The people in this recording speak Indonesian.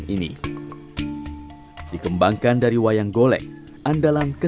mandir panas warna dan artisanyoutube